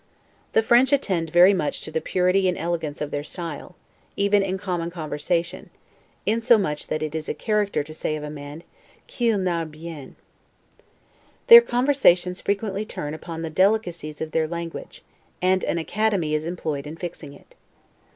The French attend very much to the purity and elegance of their style, even in common conversation; insomuch that it is a character to say of a man 'qu'il narre bien'. Their conversations frequently turn upon the delicacies of their language, and an academy is employed in fixing it.